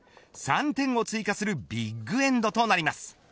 ３点を追加するビッグエンドとなります。